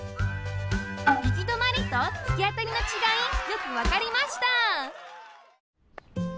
行き止まりとつきあたりのちがいよくわかりました